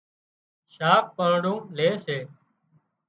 شاک پانڙون لي سي